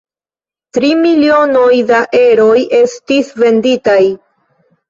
Tri milionoj da eroj estis venditaj.